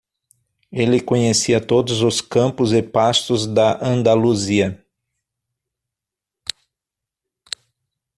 Ele conhecia todos os campos e pastos da Andaluzia.